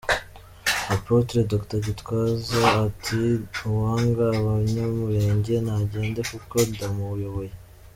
Apotre Dr Gitwaza ati 'Uwanga abanyamulenge nagende kuko ndamuyoboye'.